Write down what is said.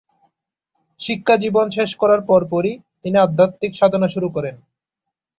শিক্ষা জীবন শেষ করার পরপরই তিনি আধ্যাত্মিক সাধনা শুরু করেন।